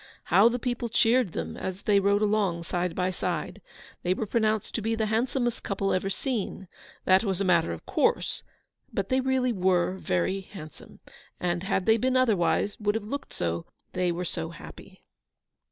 How the people cheered them as they rode along side by side! They were pronounced to be the handsomest couple ever seen: that was a matter of course; but they really WERE very handsome, and, had they been otherwise, would have looked so, they were so happy!